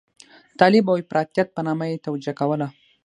د طالب او افراطيت په نامه یې توجیه کوله.